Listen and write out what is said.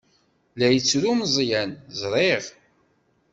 La yettru Meẓyan. Ẓriɣ.